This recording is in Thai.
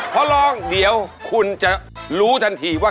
พอลองเดี๋ยวคุณจะรู้ทันทีว่า